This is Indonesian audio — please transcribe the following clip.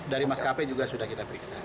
dari mas kap juga sudah kita periksa